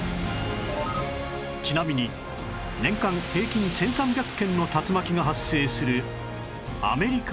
ちなみに年間平均１３００件の竜巻が発生するアメリカでは